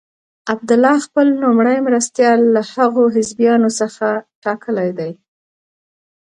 عبدالله خپل لومړی مرستیال له هغو حزبیانو څخه ټاکلی دی.